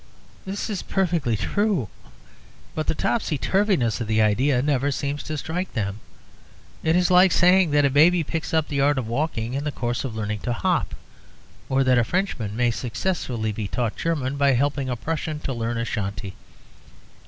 This is perfectly true, but the topsy turviness of the idea never seems to strike them. It is like saying that a baby picks up the art of walking in the course of learning to hop, or that a Frenchman may successfully be taught German by helping a Prussian to learn Ashanti.